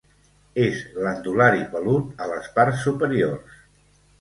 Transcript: És glandular i pelut a les parts superiors.